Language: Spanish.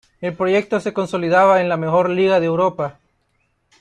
El proyecto se consolidaba en la mejor liga de Europa.